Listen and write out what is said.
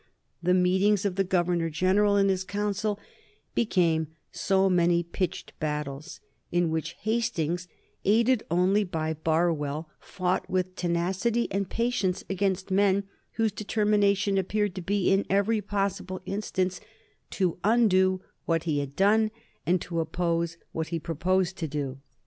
The meetings of the Governor General and his Council became so many pitched battles, in which Hastings, aided only by Barwell, fought with tenacity and patience against men whose determination appeared to be in every possible instance to undo what he had done, and to oppose what he proposed to do.